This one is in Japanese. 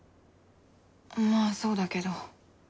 まぁそうだけど。